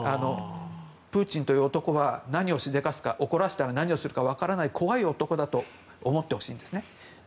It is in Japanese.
プーチンという男は怒らせたら何をするかわからない怖い男だと思ってほしいんですね。